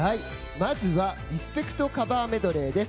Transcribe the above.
まずはリスペクトカバーメドレーです。